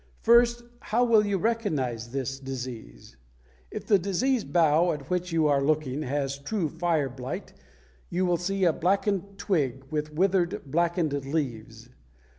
First, how will you recognize this disease? If the diseased bough at which you are looking has true fire blight, you will see a blackened twig with withered, blackened leaves.